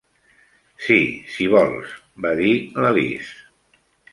"Sí, si vols", va dir l'Alice.